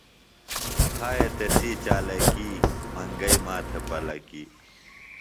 ہائے تسی چالاکی منگئی ماتھے پلَکی۔